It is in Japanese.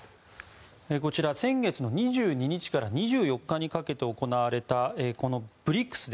こちら、先月の２２日から２４日にかけて行われたＢＲＩＣＳ